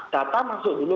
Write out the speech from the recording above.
data masuk dulu